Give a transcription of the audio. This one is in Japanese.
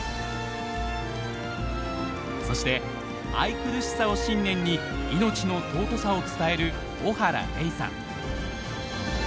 そして愛くるしさを信念に命の尊さを伝える小原玲さん。